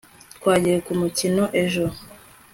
twagiye kumikino ejo